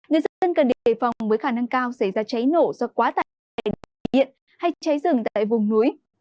người dân cần đề phòng với khả năng cao xảy ra cháy nổ do quá tải về điện hay cháy rừng tại vùng núi